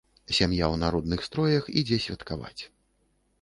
Сям'я ў народных строях ідзе святкаваць.